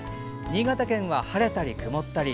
新潟県は晴れたり曇ったり。